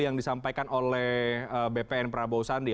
yang disampaikan oleh bpn prabowo sandi